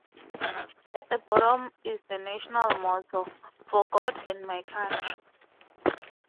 At the bottom is the national motto: "For God and My Country".